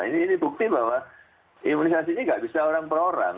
ini bukti bahwa imunisasi ini tidak bisa orang orang